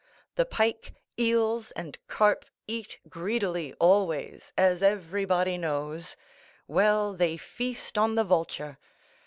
The pike, eels, and carp eat greedily always, as everybody knows—well, they feast on the vulture.